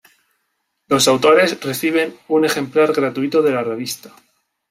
Los autores reciben un ejemplar gratuito de la revista.